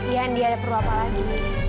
iya indi ada perlu apa lagi